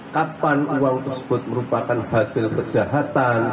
kapan uang tersebut merupakan hasil kejahatan